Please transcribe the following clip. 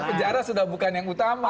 penjara sudah bukan yang utama